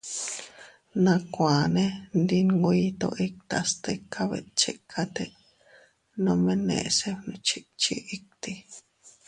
Nakuanne ndi nwito itta, stika betchikate, nome neʼese gnuchikchi itti.